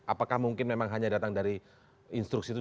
apakah mungkin memang hanya datang dari instruksi itu